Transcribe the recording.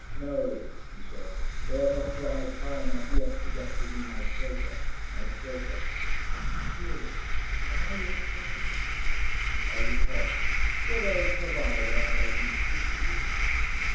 "No," he said, "they have not bribed high enough yet to get from me my treasure my treasure." "Dearest, am I your treasure?" "Are you not? What else have I that I make equal to you?"